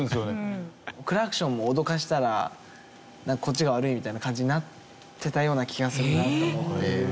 クラクションも脅かしたらこっちが悪いみたいな感じになってたような気がするなと思って。